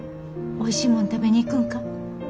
おいしいもん食べに行くんか？